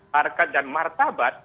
harkat dan martabat